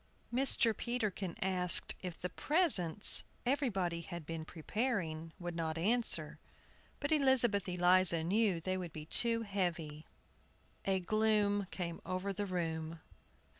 Mr. Peterkin asked if the presents everybody had been preparing would not answer. But Elizabeth Eliza knew they would be too heavy. A gloom came over the room.